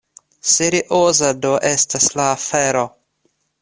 Serioza do estas la afero!